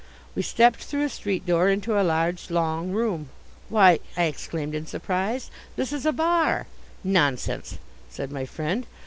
We stepped through a street door into a large, long room. "Why," I exclaimed in surprise, "this is a bar!" "Nonsense!" said my friend.